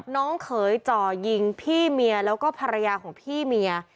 เขยจ่อยิงพี่เมียแล้วก็ภรรยาของพี่เมีย